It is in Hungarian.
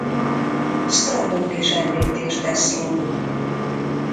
Sztrabón is említést tesz róluk.